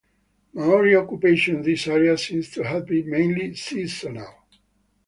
Maori occupation in this area seems to have been mainly seasonal.